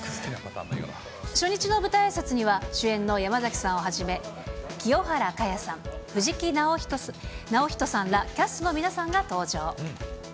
初日の舞台あいさつには、主演の山崎さんをはじめ、清原かやさん、藤木直人さんらキャストの皆さんが登場。